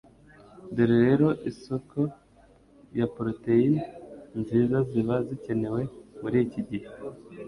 Dore rero isoko ya protein nziza ziba zikenewe muri iki gihe